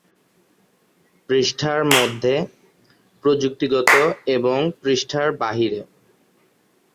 পৃষ্ঠার মধ্যে, প্রযুক্তিগত এবং পৃষ্ঠার বাইরে।